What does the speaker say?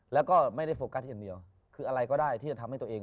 แล้วก็ไม่ได้โฟกัสอย่างเดียวคืออะไรก็ได้ที่จะทำให้ตัวเอง